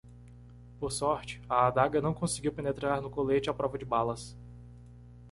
Por sorte, a adaga não conseguiu penetrar no colete à prova de balas.